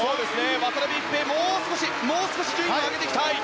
渡辺一平、もう少し順位を上げていきたい。